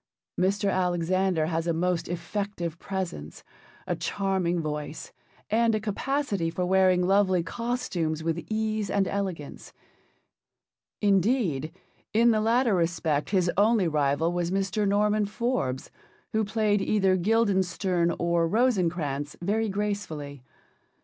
Mr. Alexander has a most effective presence, a charming voice, and a capacity for wearing lovely costumes with ease and elegance. Indeed, in the latter respect his only rival was Mr. Norman Forbes, who played either Guildenstern or Rosencrantz very gracefully.